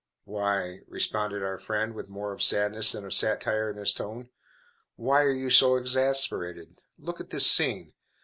"Why," responded our friend with more of sadness than of satire in his tone, "why are you so exasperated? Look at this scene!